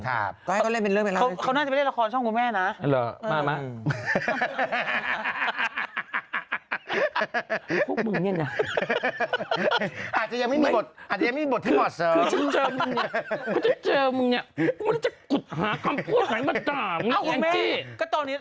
อาจจะยังไม่มีบท